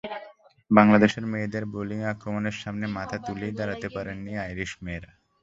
বাংলাদেশের মেয়েদের বোলিং আক্রমণের সামনে মাথা তুলেই দাঁড়াতে পারেননি আইরিশ মেয়েরা।